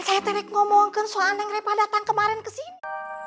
kita ngomongkan soalnya mereka datang kemarin kesini